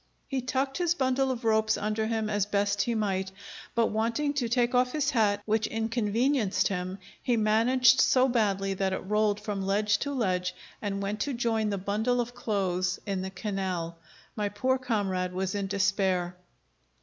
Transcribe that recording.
He tucked his bundle of ropes under him as best he might, but wanting to take off his hat, which inconvenienced him, he managed so badly that it rolled from ledge to ledge, and went to join the bundle of clothes in the canal. My poor comrade was in despair.